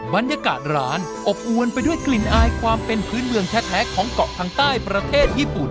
บรรยากาศร้านอบอวนไปด้วยกลิ่นอายความเป็นพื้นเมืองแท้ของเกาะทางใต้ประเทศญี่ปุ่น